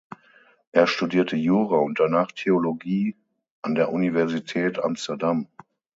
Er studierte Jura und danach Theologie an der Universität Amsterdam.